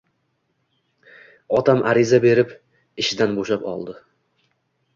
Otam ariza berib, ishidan bo`shab oldi